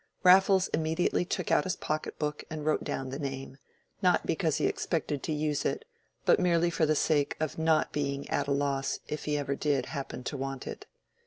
Raffles immediately took out his pocket book, and wrote down the name, not because he expected to use it, but merely for the sake of not being at a loss if he ever did happen to want it.